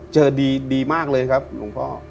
เจอดีมากเลยครับหลวงพ่อ